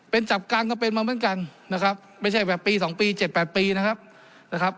เป็นจับกลางก็เป็นมาเหมือนกันนะครับไม่ใช่แบบปี๒ปี๗๘ปีนะครับนะครับ